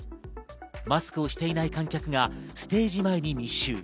マスクをしていない観客がステージに密集。